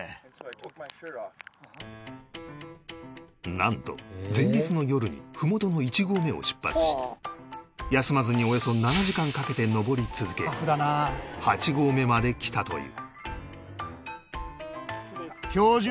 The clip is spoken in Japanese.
なんと前日の夜にふもとの１合目を出発し休まずにおよそ７時間かけて登り続け８合目まで来たという